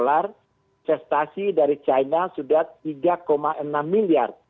solar investasi dari china sudah tiga enam miliar